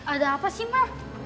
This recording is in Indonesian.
ada apa sih ma